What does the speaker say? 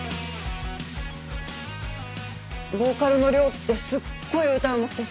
ボーカルのＲＹＯってすっごい歌うまくてさ。